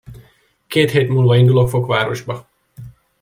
Két hét múlva indulok Fokvárosba.